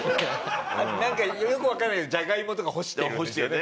あとなんかよくわからないけどじゃがいもとか干してるんですよね。